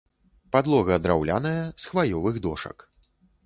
Падлога драўляная, з хваёвых дошак.